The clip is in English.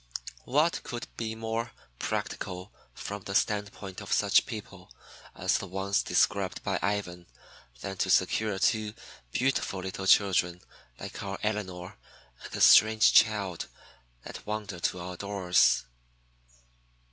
What could be more practical from the standpoint of such people as the ones described by Ivan than to secure two beautiful little children like our Elinor and the strange child that wandered to our doors?